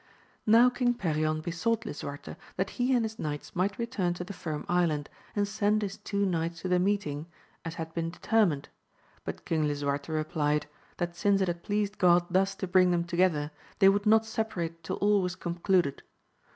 Now King Perion besought Lisuarte that he and his knights might return to the Firm Island, and send his two knights to the meeting, as had been determined; but King Lisuarte replied, that since it had pleased God thus to bring them together, they would not separate till all was concluded.